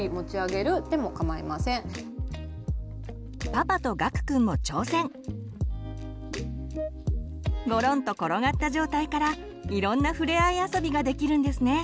ごろんと転がった状態からいろんなふれあい遊びができるんですね。